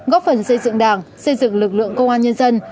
góp phần xây dựng đảng xây dựng lực lượng công an nhân dân